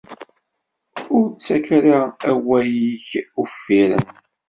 Ur ttak ara awalen-ik uffiren.